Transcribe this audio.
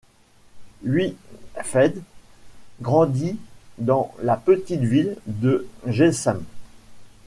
Huitfeldt grandit dans la petite ville de Jessheim.